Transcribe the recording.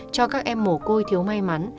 cho các em mổ côi thiếu may mắn